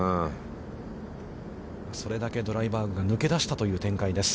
これだけドライバーグが抜け出したという展開です。